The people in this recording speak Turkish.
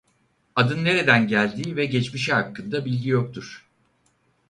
Adın nereden geldiği ve geçmişi hakkında bilgi yoktur.